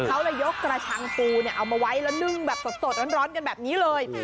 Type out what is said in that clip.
เขาเลยยกกระชังปูเอามาไว้แล้วนึ่งแบบสดร้อนกันแบบนี้เลย